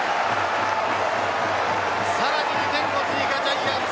さらに２点を追加ジャイアンツ。